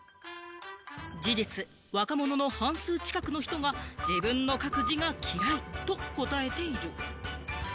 事実、若者の半数近くの人が、自分の書く字が嫌いと答えている。